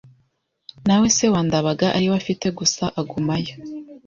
Na we se wa Ndabaga ari we afite gusa agumayo